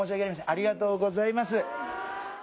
ありがとうございます